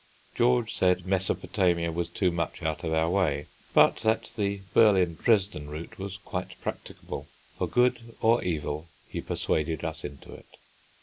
George said Mesopotamia was too much out of our way, but that the Berlin Dresden route was quite practicable. For good or evil, he persuaded us into it.